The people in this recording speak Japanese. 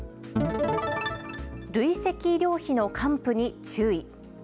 累積医療費の還付に注意。